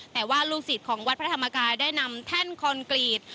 แต่ว่าลูกศิษย์ของวัดพระธรรมกายได้นำแท่นคอนกรีต